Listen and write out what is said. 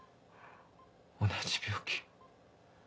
同じ病気？